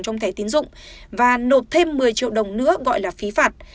trong thẻ tiến dụng và nộp thêm một mươi triệu đồng nữa gọi là phí phạt